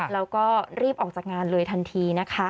แล้วก็รีบออกจากงานเลยทันทีนะคะ